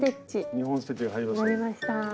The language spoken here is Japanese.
２本ステッチが入りましたね。